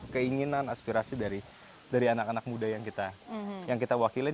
keinginan aspirasi dari anak anak muda yang kita wakilin